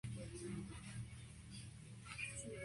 Semifinales y final se juegan a un solo partido.